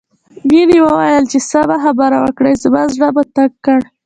مينې وويل چې سمه خبره وکړئ زما زړه مو تنګ کړ